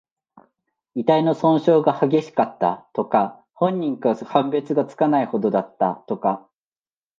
遺体の損傷が激しかった、とか。本人か判別がつかないほどだった、とか。